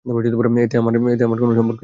এতে আমার কোনো সম্পর্কই নেই।